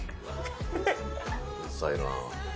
うるさいな。